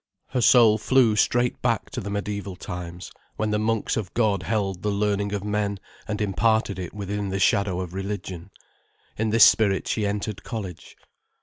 Her soul flew straight back to the mediæval times, when the monks of God held the learning of men and imparted it within the shadow of religion. In this spirit she entered college.